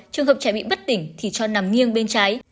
trường hợp trẻ bị bất tỉnh thì cho nằm nghiêng bên trái